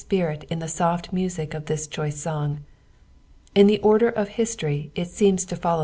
spirit in Ihe aqft music qf this chois« »oug. In Vie order of history it seanM tofoilov!